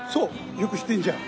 よく知ってんじゃん。